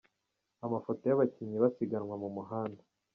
Amafoto y’abakinnyi basiganwa mu muhanda